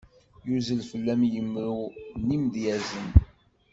Yuzzel fell-am yimru n yimedyazen.